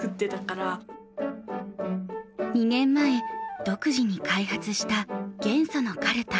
２年前独自に開発した元素のカルタ。